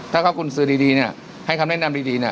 ถ้าเขากุญสือดีเนี่ยให้คำแนะนำดีเนี่ย